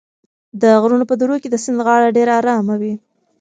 د غرونو په درو کې د سیند غاړه ډېره ارامه وي.